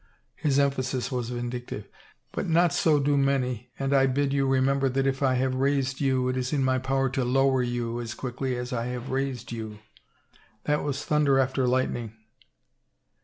His emphasis was vindic tive. " But not so do many and I bid you remember that if I have raised you it is in my power to lower you as quickly as I have raised you." That was thunder after the lightning.